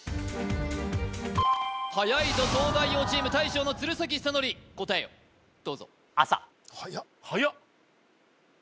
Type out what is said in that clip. はやいぞ東大王チーム大将の鶴崎修功答えをどうぞはやっはやっ